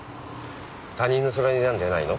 他人の空似なんじゃないの？